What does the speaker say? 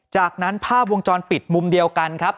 จากนั้นภาพวงจรปิดมุมเดียวกันครับ